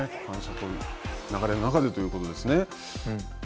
流れの中でということですね。